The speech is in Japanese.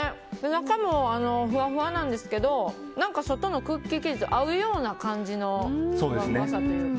中もふわふわなんですけど外のクッキー生地と合うような感じのふわふわさというか。